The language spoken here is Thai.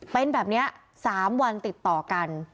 เป็นแบบนี้๓วันติดต่อกัน